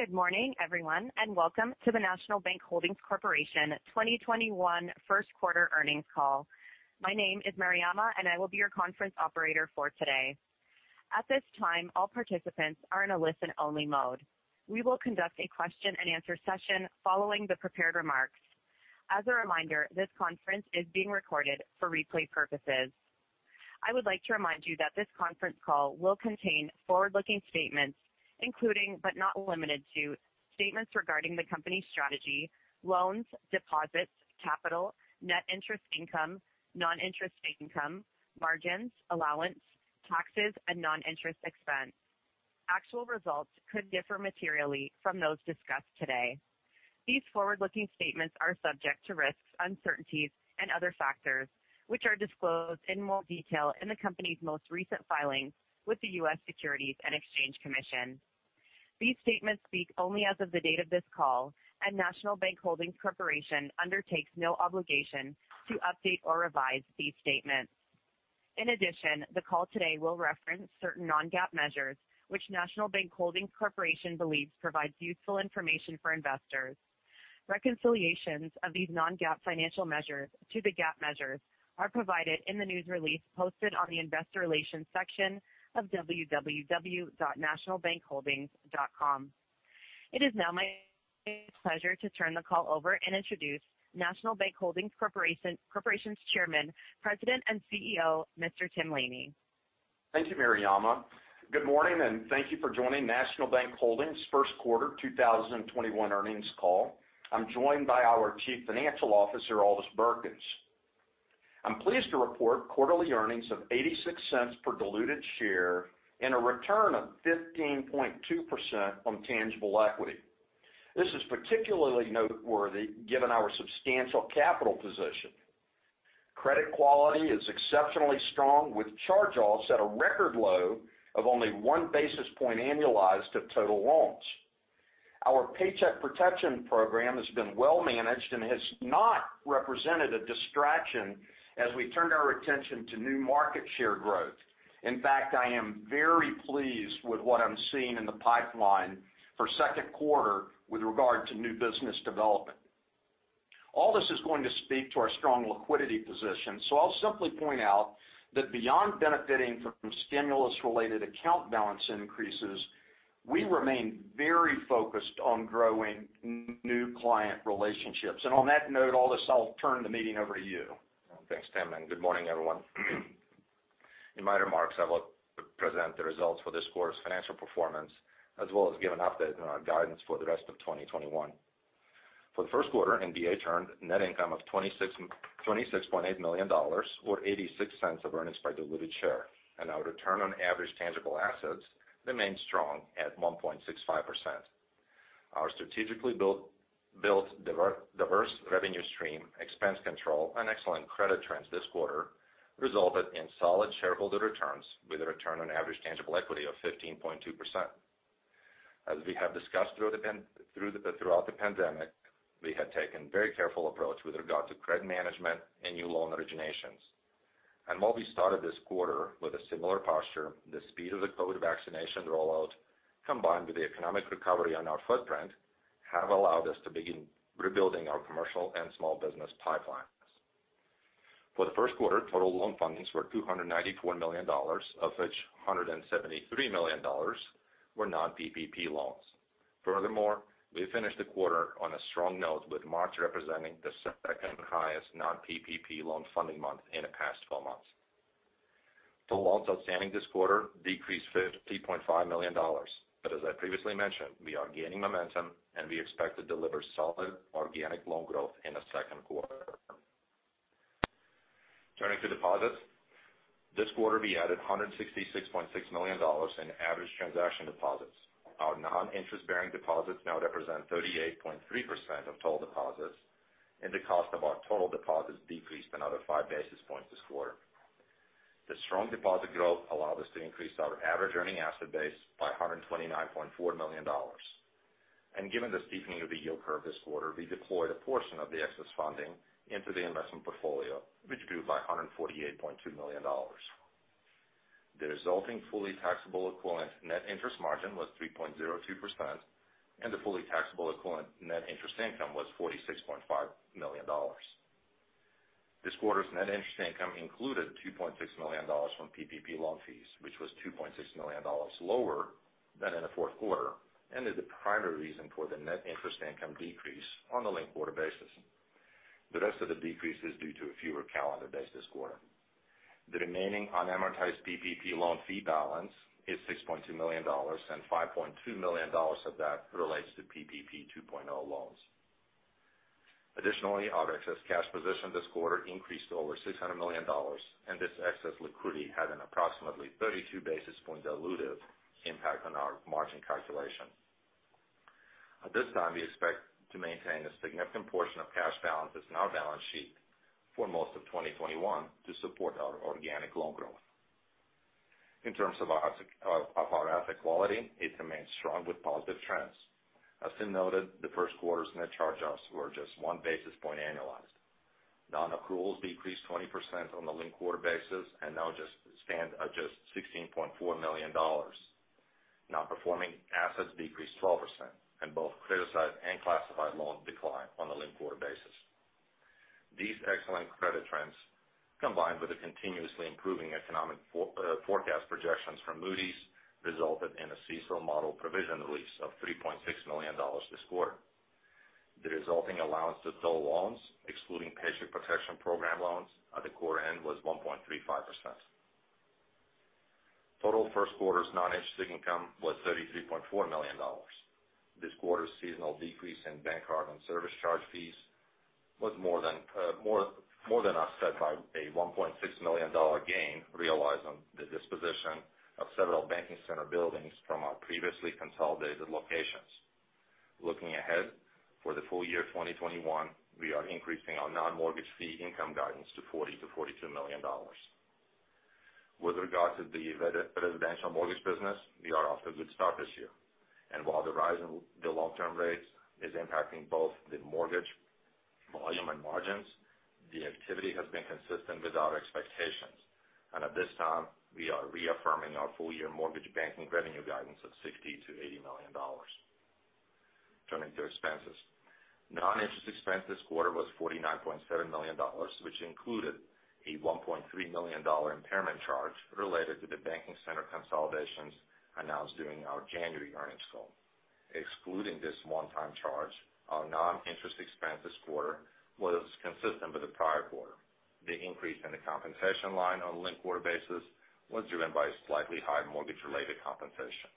Good morning, everyone, and welcome to the National Bank Holdings Corporation 2021 first quarter earnings call. My name is Mariama, and I will be your conference operator for today. At this time, all participants are in a listen-only mode. We will conduct a question and answer session following the prepared remarks. As a reminder, this conference is being recorded for replay purposes. I would like to remind you that this conference call will contain forward-looking statements, including but not limited to statements regarding the company's strategy, loans, deposits, capital, net interest income, non-interest income, margins, allowance, taxes, and non-interest expense. Actual results could differ materially from those discussed today. These forward-looking statements are subject to risks, uncertainties, and other factors, which are disclosed in more detail in the company's most recent filings with the U.S. Securities and Exchange Commission. These statements speak only as of the date of this call, and National Bank Holdings Corporation undertakes no obligation to update or revise these statements. In addition, the call today will reference certain non-GAAP measures, which National Bank Holdings Corporation believes provides useful information for investors. Reconciliations of these non-GAAP financial measures to the GAAP measures are provided in the news release posted on the investor relations section of www.nationalbankholdings.com. It is now my pleasure to turn the call over and introduce National Bank Holdings Corporation's Chairman, President, and CEO, Mr. Tim Laney. Thank you, Mariama. Good morning, and thank you for joining National Bank Holdings' first quarter 2021 earnings call. I'm joined by our Chief Financial Officer, Aldis Birkans. I'm pleased to report quarterly earnings of $0.86 per diluted share and a return of 15.2% on tangible equity. This is particularly noteworthy given our substantial capital position. Credit quality is exceptionally strong, with charge-offs at a record low of only 1 basis point annualized of total loans. Our Paycheck Protection Program has been well managed and has not represented a distraction as we turned our attention to new market share growth. In fact, I am very pleased with what I'm seeing in the pipeline for the second quarter with regard to new business development. Aldis is going to speak to our strong liquidity position. I'll simply point out that beyond benefiting from stimulus-related account balance increases, we remain very focused on growing new client relationships. On that note, Aldis, I'll turn the meeting over to you. Thanks, Tim. Good morning, everyone. In my remarks, I will present the results for this quarter's financial performance, as well as give an update on our guidance for the rest of 2021. For the first quarter, NBH turned net income of $26.8 million, or $0.86 of earnings per diluted share, and our return on average tangible assets remained strong at 1.65%. Our strategically built diverse revenue stream, expense control, and excellent credit trends this quarter resulted in solid shareholder returns, with a return on average tangible equity of 15.2%. As we have discussed throughout the pandemic, we had taken a very careful approach with regard to credit management and new loan originations. While we started this quarter with a similar posture, the speed of the COVID vaccination rollout, combined with the economic recovery on our footprint, have allowed us to begin rebuilding our commercial and small business pipelines. For the first quarter, total loan fundings were $294 million, of which $173 million were non-PPP loans. Furthermore, we finished the quarter on a strong note, with March representing the second-highest non-PPP loan funding month in the past 12 months. Total loans outstanding this quarter decreased $50.5 million. As I previously mentioned, we are gaining momentum, and we expect to deliver solid organic loan growth in the second quarter. Turning to deposits. This quarter, we added $166.6 million in average transaction deposits. Our non-interest-bearing deposits now represent 38.3% of total deposits, and the cost of our total deposits decreased another 5 basis points this quarter. The strong deposit growth allowed us to increase our average earning asset base by $129.4 million. Given the steepening of the yield curve this quarter, we deployed a portion of the excess funding into the investment portfolio, which grew by $148.2 million. The resulting fully taxable equivalent net interest margin was 3.02%, and the fully taxable equivalent net interest income was $46.5 million. This quarter's net interest income included $2.6 million from PPP loan fees, which was $2.6 million lower than in the fourth quarter and is the primary reason for the net interest income decrease on a linked-quarter basis. The rest of the decrease is due to fewer calendar days this quarter. The remaining unamortized PPP loan fee balance is $6.2 million, and $5.2 million of that relates to PPP 2.0 loans. Additionally, our excess cash position this quarter increased to $600 million, and this excess liquidity had an approximately 32 basis point dilutive impact on our margin calculation. At this time, we expect to maintain a significant portion of cash balances on our balance sheet for most of 2021 to support our organic loan growth. In terms of our asset quality, it remains strong with positive trends. As Tim noted, the first quarter's net charge-offs were just 1 basis point annualized. Non-accruals decreased 20% on the linked quarter basis and now just stand at just $16.4 million. Non-performing assets decreased 12%, both criticized and classified loans declined on the linked quarter basis. These excellent credit trends, combined with the continuously improving economic forecast projections from Moody's, resulted in a CECL model provision release of $3.6 million this quarter. The resulting allowance to total loans, excluding Paycheck Protection Program loans at the quarter end was 1.35%. Total first quarter's non-interest income was $33.4 million. This quarter's seasonal decrease in bank card and service charge fees was more than offset by a $1.6 million gain realized on the disposition of several banking center buildings from our previously consolidated locations. Looking ahead for the full year 2021, we are increasing our non-mortgage fee income guidance to $40 million-$42 million. With regard to the residential mortgage business, we are off to a good start this year. While the rise in the long-term rates is impacting both the mortgage volume and margins, the activity has been consistent with our expectations. At this time, we are reaffirming our full-year mortgage banking revenue guidance of $60 million-$80 million. Turning to expenses. Non-interest expense this quarter was $49.7 million which included a $1.3 million impairment charge related to the banking center consolidations announced during our January earnings call. Excluding this one-time charge, our non-interest expense this quarter was consistent with the prior quarter. The increase in the compensation line on a linked quarter basis was driven by a slightly high mortgage-related compensation.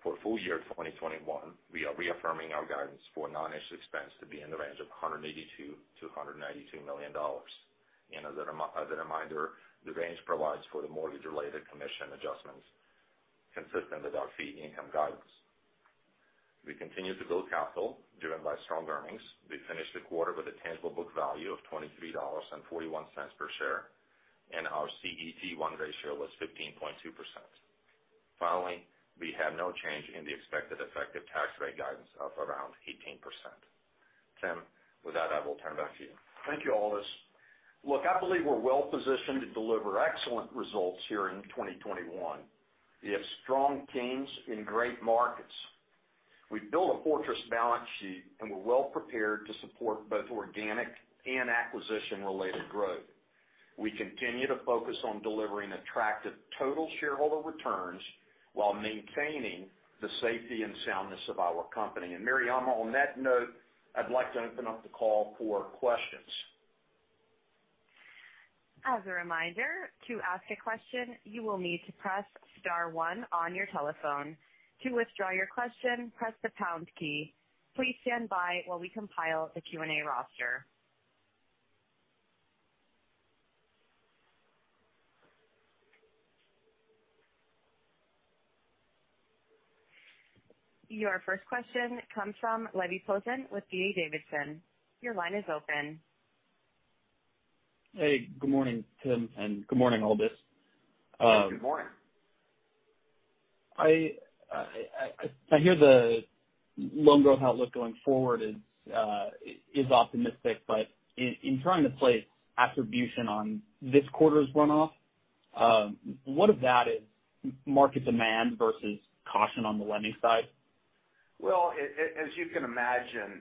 For full year 2021, we are reaffirming our guidance for non-interest expense to be in the range of $182 million-$192 million. As a reminder, the range provides for the mortgage-related commission adjustments consistent with our fee income guidance. We continue to build capital driven by strong earnings. We finished the quarter with a tangible book value of $23.41 per share, and our CET1 ratio was 15.2%. Finally, we have no change in the expected effective tax rate guidance of around 18%. Tim, with that, I will turn it back to you. Thank you, Aldis. Look, I believe we're well-positioned to deliver excellent results here in 2021. We have strong teams in great markets. We've built a fortress balance sheet, and we're well prepared to support both organic and acquisition-related growth. We continue to focus on delivering attractive total shareholder returns while maintaining the safety and soundness of our company. Mariama, on that note, I'd like to open up the call for questions. As a reminder, to ask a question, you will need to press star one on your telephone. To withdraw your question, press the pound key. Please stand by while we compile the Q&A roster. Your first question comes from Levi Posen with D.A. Davidson. Your line is open. Hey, good morning, Tim, and good morning, Aldis. Good morning. I hear the loan growth outlook going forward is optimistic, but in trying to place attribution on this quarter's runoff, what of that is market demand versus caution on the lending side? Well, as you can imagine,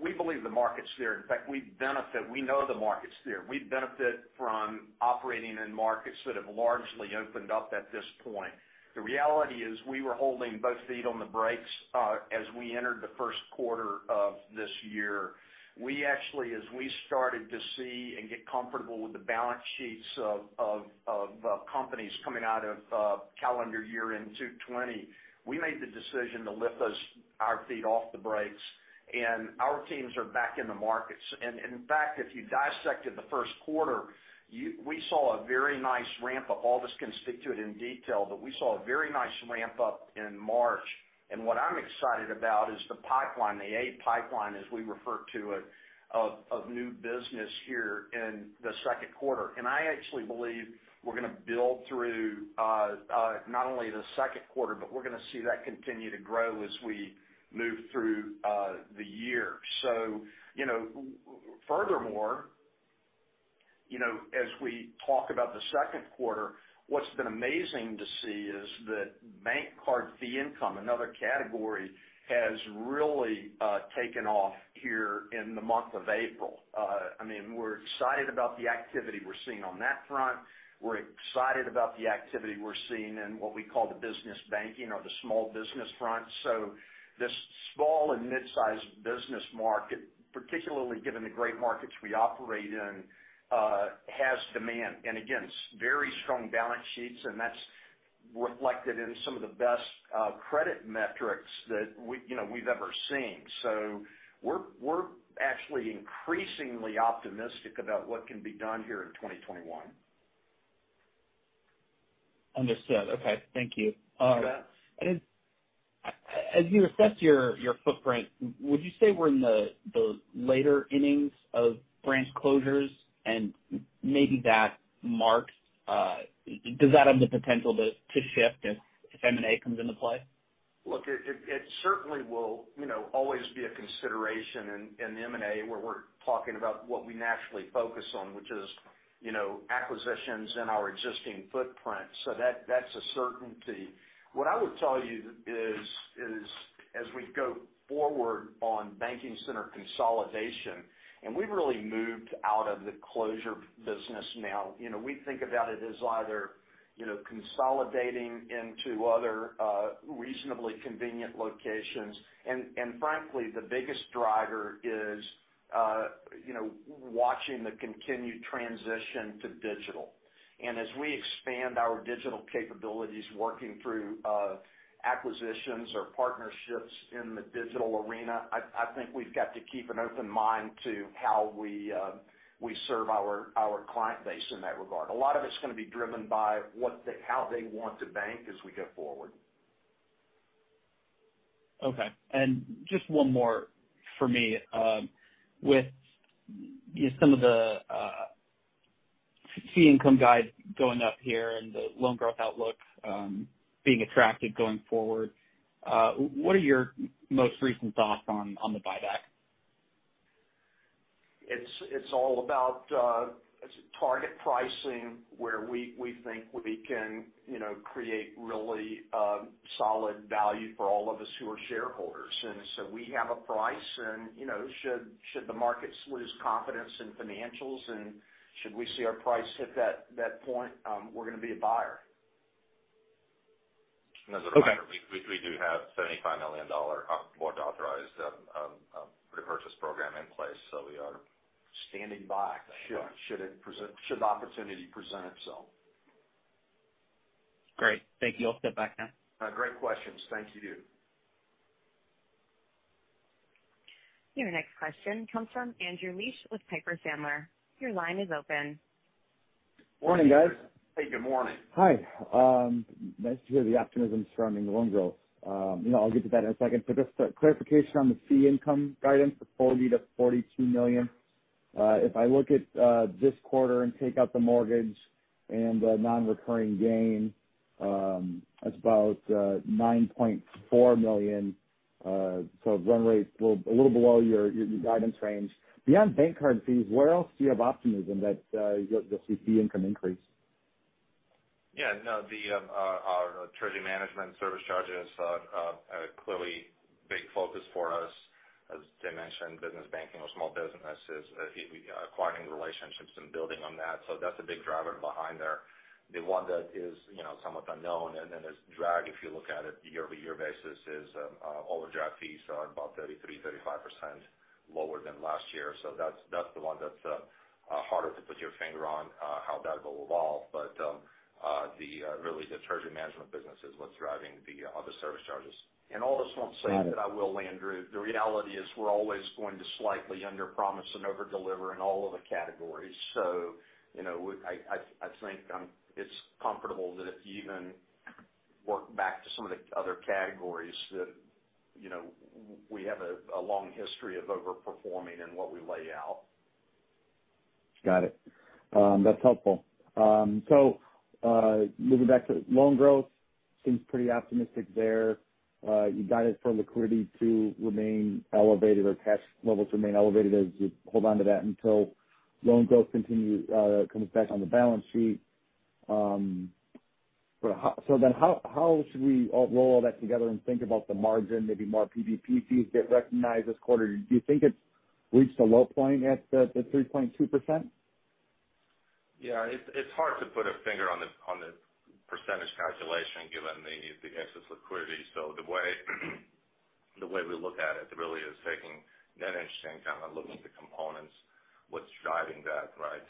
we believe the market's there. In fact, we know the market's there. We benefit from operating in markets that have largely opened up at this point. The reality is, we were holding both feet on the brakes as we entered the first quarter of this year. We actually, as we started to see and get comfortable with the balance sheets of companies coming out of calendar year-end 2020, we made the decision to lift our feet off the brakes, and our teams are back in the markets. In fact, if you dissected the first quarter, we saw a very nice ramp up. Aldis can speak to it in detail, but we saw a very nice ramp up in March. What I'm excited about is the pipeline, the A pipeline as we refer to it, of new business here in the second quarter. I actually believe we're going to build through not only the second quarter, but we're going to see that continue to grow as we move through the year. Furthermore, as we talk about the second quarter, what's been amazing to see is that bank card fee income, another category, has really taken off here in the month of April. We're excited about the activity we're seeing on that front. We're excited about the activity we're seeing in what we call the business banking or the small business front. This small and mid-size business market, particularly given the great markets we operate in has demand and again, very strong balance sheets, and that's reflected in some of the best credit metrics that we've ever seen. We're actually increasingly optimistic about what can be done here in 2021. Understood. Okay. Thank you. You bet. As you assess your footprint, would you say we're in the later innings of branch closures? Does that have the potential to shift if M&A comes into play? Look, it certainly will always be a consideration in M&A where we're talking about what we naturally focus on, which is acquisitions in our existing footprint. That's a certainty. What I would tell you is, as we go forward on banking center consolidation, and we've really moved out of the closure business now. We think about it as either consolidating into other reasonably convenient locations. Frankly, the biggest driver is watching the continued transition to digital. As we expand our digital capabilities, working through acquisitions or partnerships in the digital arena, I think we've got to keep an open mind to how we serve our client base in that regard. A lot of it's going to be driven by how they want to bank as we go forward. Okay. Just one more for me. With some of the fee income guide going up here and the loan growth outlook being attractive going forward, what are your most recent thoughts on the buyback? It's all about target pricing where we think we can create really solid value for all of us who are shareholders. We have a price and should the market lose confidence in financials and should we see our price hit that point, we're going to be a buyer. As a reminder, we do have $75 million board authorized repurchase program in place. Standing by. Sure. Should the opportunity present itself. Great. Thank you. I'll step back now. Great questions. Thank you. Your next question comes from Andrew Liesch with Piper Sandler. Your line is open. Morning, guys. Hey, good morning. Hi. Nice to hear the optimism surrounding loan growth. I'll get to that in a second. Just a clarification on the fee income guidance for $40 million-$42 million. If I look at this quarter and take out the mortgage and the non-recurring gain, it's about $9.4 million. Run rate a little below your guidance range. Beyond bank card fees, where else do you have optimism that you'll see fee income increase? Yeah. No, our treasury management service charges are clearly a big focus for us. As Tim mentioned, business banking or small business is acquiring the relationships and building on that. That's a big driver behind there. The one that is somewhat unknown and then there's drag, if you look at it year-over-year basis is overdraft fees are about 33%, 35% lower than last year. That's the one that's harder to put your finger on how that will evolve. Really the treasury management business is what's driving the other service charges. Aldis won't say that, I will, Andrew. The reality is we're always going to slightly under-promise and over-deliver in all of the categories. I think it's comfortable that if you even work back to some of the other categories that we have a long history of over-performing in what we lay out. Got it. That's helpful. Moving back to loan growth, seems pretty optimistic there. You guided for liquidity to remain elevated or cash levels remain elevated as you hold onto that until loan growth continues, comes back on the balance sheet. How should we roll all that together and think about the margin, maybe more PPP fees get recognized this quarter? Do you think it's reached a low point at the 3.02%? Yeah. It's hard to put a finger on the percentage calculation given the excess liquidity. The way we look at it really is taking net interest income and looking at the components, what's driving that, right?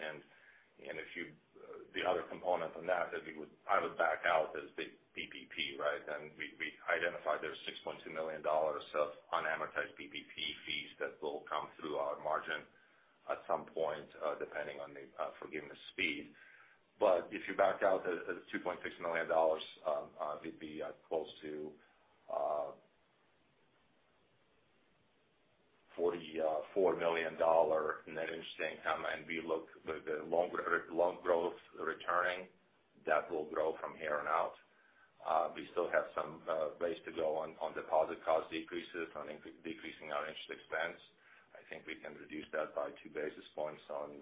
The other component on that that I would back out is the PPP, right? We identified there's $6.2 million of unamortized PPP fees that will come through our margin at some point, depending on the forgiveness speed. If you backed out the $2.6 million, it'd be close to $44 million net interest income. We look with the loan growth returning, that will grow from here on out. We still have some ways to go on deposit cost decreases, on decreasing our interest expense. I think we can reduce that by 2 basis points on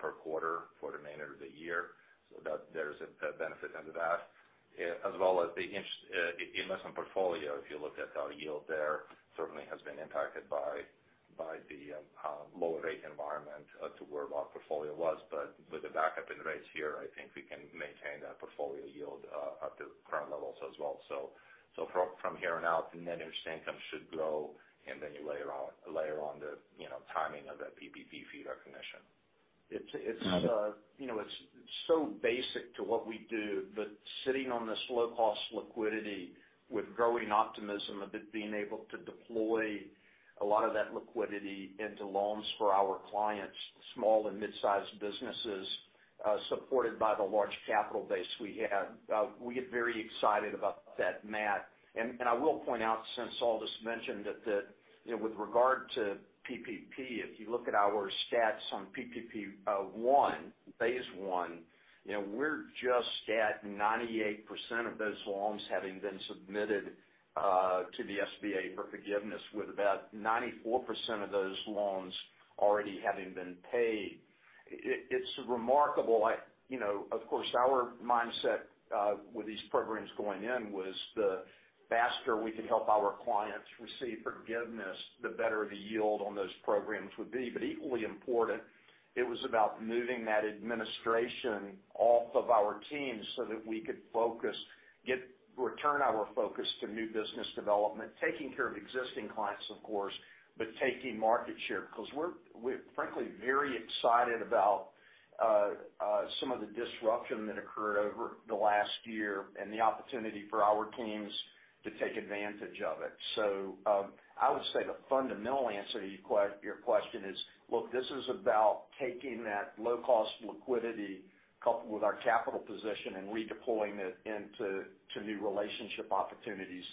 per quarter for the remainder of the year, so that there's a benefit into that. As well as the investment portfolio, if you look at our yield there certainly has been impacted by the lower rate environment to where our portfolio was. With the backup in rates here, I think we can maintain that portfolio yield at the current levels as well. From here on out, the net interest income should grow and then you layer on the timing of that PPP fee recognition. It's so basic to what we do, but sitting on this low-cost liquidity with growing optimism of it being able to deploy a lot of that liquidity into loans for our clients, small and mid-sized businesses. Supported by the large capital base we have. We get very excited about that math. I will point out, since Aldis mentioned, that with regard to PPP, if you look at our stats on PPP 1, Phase One, we're just at 98% of those loans having been submitted to the SBA for forgiveness, with about 94% of those loans already having been paid. It's remarkable. Of course, our mindset with these programs going in was the faster we could help our clients receive forgiveness, the better the yield on those programs would be. Equally important, it was about moving that administration off of our teams so that we could return our focus to new business development, taking care of existing clients, of course, but taking market share. We're frankly very excited about some of the disruption that occurred over the last year and the opportunity for our teams to take advantage of it. I would say the fundamental answer to your question is, look, this is about taking that low-cost liquidity coupled with our capital position and redeploying it into new relationship opportunities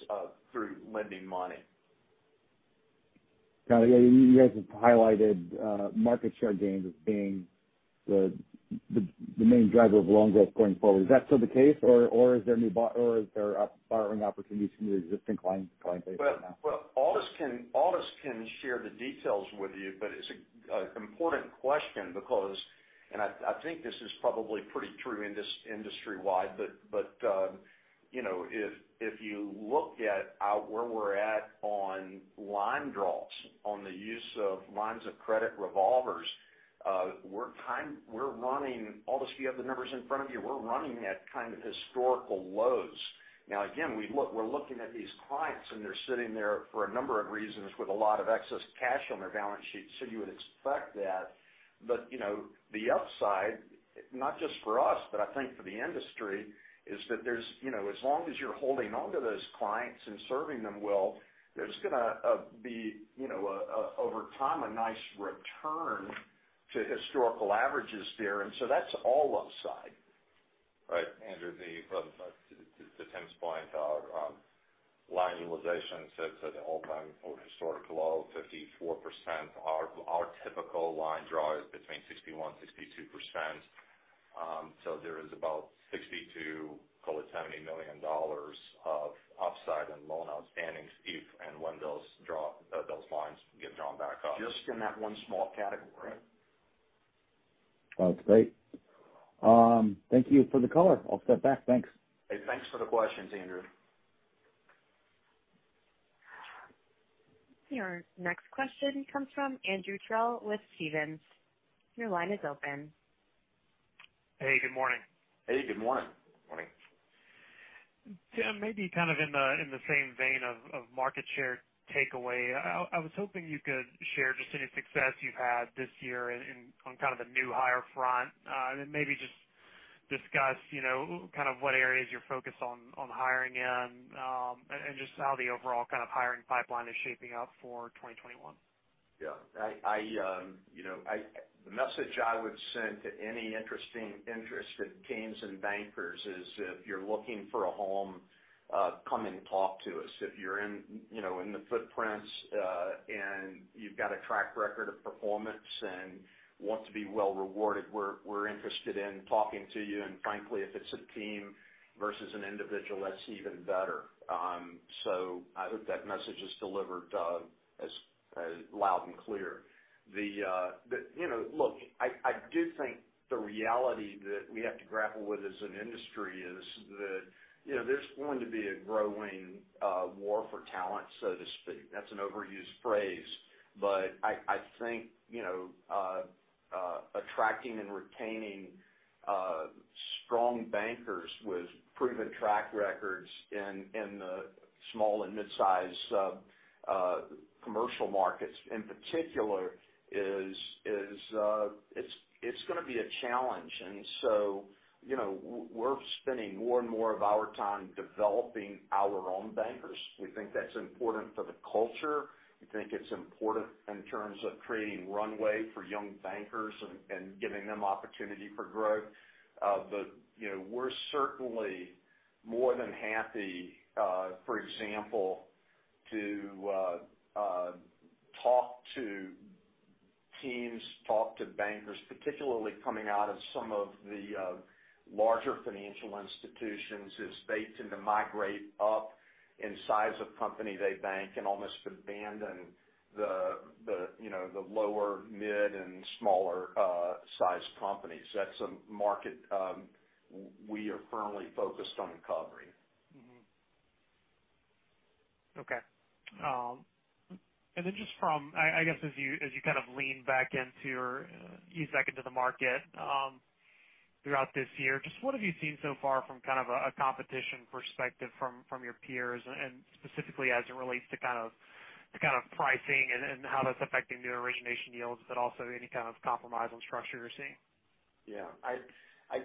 through lending money. Got it. You guys have highlighted market share gains as being the main driver of loan growth going forward. Is that still the case, or is there borrowing opportunities from your existing client base right now? Aldis can share the details with you, but it's an important question because, and I think this is probably pretty true industry-wide, but if you look at where we're at on line draws, on the use of lines of credit revolvers, Aldis, do you have the numbers in front of you? We're running at kind of historical lows. Again, we're looking at these clients, and they're sitting there for a number of reasons with a lot of excess cash on their balance sheet, so you would expect that. The upside, not just for us, but I think for the industry, is that as long as you're holding onto those clients and serving them well, there's going to be, over time, a nice return to historical averages there. That's all upside. Right, Andrew, to Tim's point, our line utilization sits at an all-time historical low of 54%. Our typical line draw is between 61%, 62%. There is about $60 million to, call it, $70 million of upside in loan outstandings if and when those lines get drawn back up. Just in that one small category. Right. That's great. Thank you for the color. I'll step back. Thanks. Hey, thanks for the questions, Andrew. Your next question comes from Andrew Terrell with Stephens. Your line is open. Hey, good morning. Hey, good morning. Morning. Tim, maybe kind of in the same vein of market share takeaway, I was hoping you could share just any success you've had this year on the new hire front. Then maybe just discuss what areas you're focused on hiring in, and just how the overall hiring pipeline is shaping up for 2021. Yeah. The message I would send to any interested teams and bankers is, if you're looking for a home, come and talk to us. If you're in the footprints and you've got a track record of performance and want to be well-rewarded, we're interested in talking to you. Frankly, if it's a team versus an individual, that's even better. I hope that message is delivered loud and clear. Look, I do think the reality that we have to grapple with as an industry is that there's going to be a growing war for talent, so to speak. That's an overused phrase, but I think attracting and retaining strong bankers with proven track records in the small and midsize commercial markets in particular, it's going to be a challenge. We're spending more and more of our time developing our own bankers. We think that's important for the culture. We think it's important in terms of creating runway for young bankers and giving them opportunity for growth. We're certainly more than happy, for example, to talk to teams, talk to bankers, particularly coming out of some of the larger financial institutions as they tend to migrate up in size of company they bank and almost abandon the lower mid and smaller size companies. That's a market we are firmly focused on recovering. Okay. I guess as you kind of ease back into the market throughout this year, just what have you seen so far from a competition perspective from your peers? Specifically as it relates to pricing and how that's affecting new origination yields, but also any kind of compromise on structure you're seeing? Yeah. I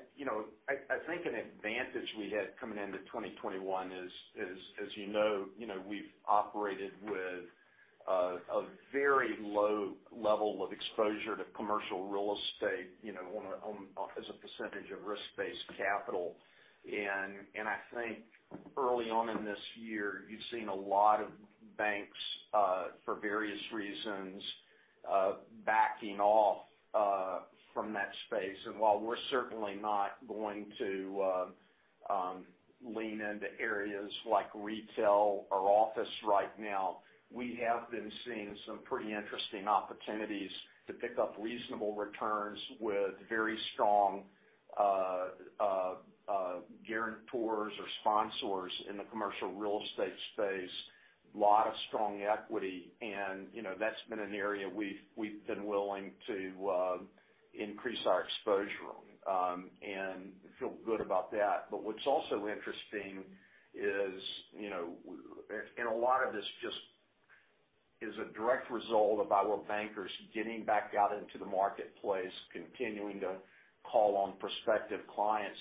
think an advantage we had coming into 2021 is, as you know, we've operated with a very low level of exposure to commercial real estate as a percentage of risk-based capital. I think early on in this year, you've seen a lot of banks, for various reasons, backing off from that space. While we're certainly not going to lean into areas like retail or office right now, we have been seeing some pretty interesting opportunities to pick up reasonable returns with very strong guarantors or sponsors in the commercial real estate space. Lot of strong equity, and that's been an area we've been willing to increase our exposure on and feel good about that. What's also interesting is, and a lot of this just is a direct result of our bankers getting back out into the marketplace, continuing to call on prospective clients.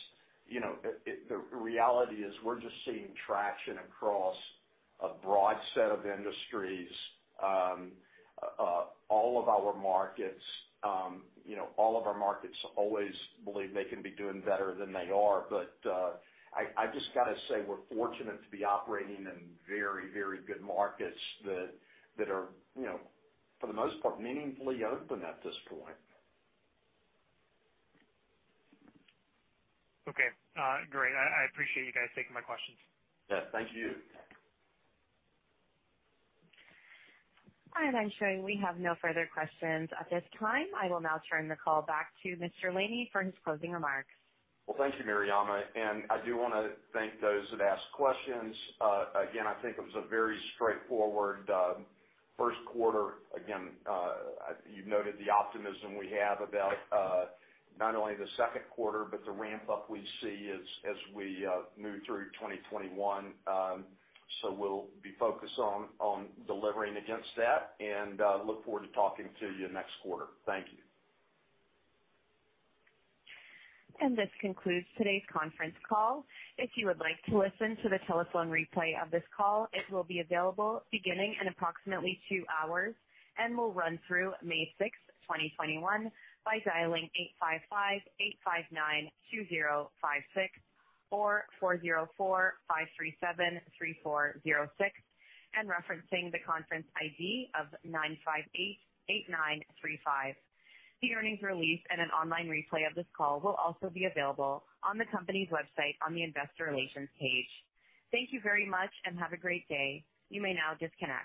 The reality is, we're just seeing traction across a broad set of industries. All of our markets always believe they can be doing better than they are, but I just got to say, we're fortunate to be operating in very good markets that are, for the most part, meaningfully open at this point. Okay. Great. I appreciate you guys taking my questions. Yeah. Thank you. I'm showing we have no further questions at this time. I will now turn the call back to Mr. Laney for his closing remarks. Well, thank you, Mariama. I do want to thank those that asked questions. Again, I think it was a very straightforward first quarter. Again, you've noted the optimism we have about not only the second quarter, but the ramp-up we see as we move through 2021. We'll be focused on delivering against that, and look forward to talking to you next quarter. Thank you. This concludes today's conference call. If you would like to listen to the telephone replay of this call, it will be available beginning in approximately two hours and will run through May 6th, 2021 by dialing 855-859-2056 or 404-537-3406 and referencing the conference ID of 9588935. The earnings release and an online replay of this call will also be available on the company's website on the investor relations page. Thank you very much and have a great day. You may now disconnect.